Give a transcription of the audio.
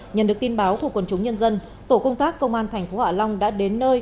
nhận được tin báo của quần chúng nhân dân tổ công tác công an thành phố hạ long đã đến nơi